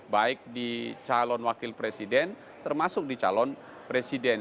baik di calon wakil presiden termasuk di calon presiden